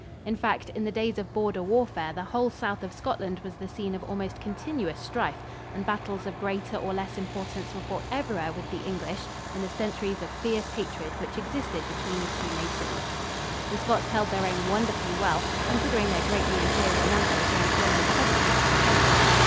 In fact, in the days of border warfare the whole south of Scotland was the scene of almost continuous strife, and battles of greater or less importance were fought everywhere with the English in the centuries of fierce hatred which existed between the two nations. The Scots held their own wonderfully well, considering their greatly inferior numbers and the general poverty of their country.